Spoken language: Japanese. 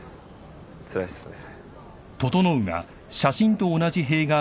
つらいっすね。